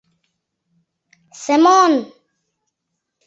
— Семон!..